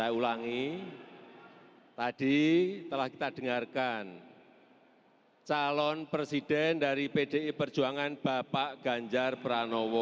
saya ulangi tadi telah kita dengarkan calon presiden dari pdi perjuangan bapak ganjar pranowo